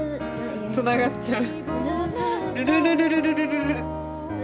つながっちゃう。